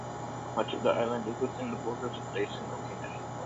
Much of the island is within the borders of Daisen-Oki National Park.